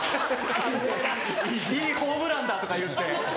いいホームランだ！とか言って。